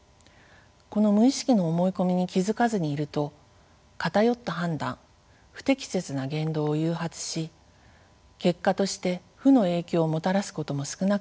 この無意識の思い込みに気付かずにいると偏った判断不適切な言動を誘発し結果として負の影響をもたらすことも少なくありません。